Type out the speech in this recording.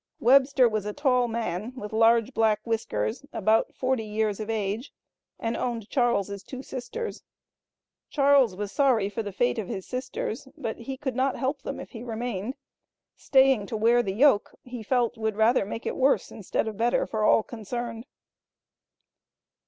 Webster was a tall man, with large black whiskers, about forty years of age, and owned Charles' two sisters. Charles was sorry for the fate of his sisters, but he could not help them if he remained. Staying to wear the yoke, he felt would rather make it worse instead of better for all concerned.